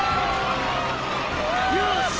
よし！